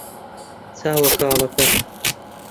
چاوە کاڵەکەت